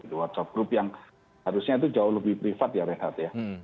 whatsapp group yang harusnya itu jauh lebih privat ya rehat ya